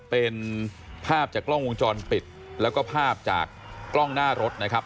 เป็นภาพจากกล้องวงจรปิดแล้วก็ภาพจากกล้องหน้ารถนะครับ